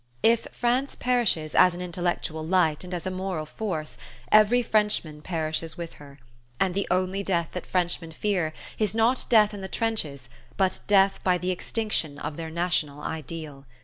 If France perishes as an intellectual light and as a moral force every Frenchman perishes with her; and the only death that Frenchmen fear is not death in the trenches but death by the extinction of their national ideal.